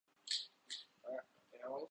ایک پوزیشن ہے۔